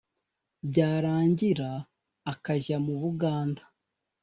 -byarangira akajya mu buganda